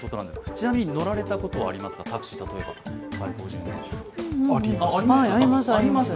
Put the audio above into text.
ちなみに乗られたことはありますか、タクシー、外国人運転手。あります。